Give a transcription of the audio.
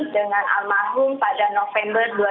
dengan almarhum pada november dua ribu dua puluh